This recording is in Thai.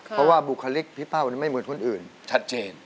เพราะว่าบุคลิกพี่เป้าไม่เหมือนคนอื่นชัดเจน